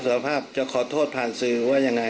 รับสารภาพจะขอโทษผ่านซื้อว่าไง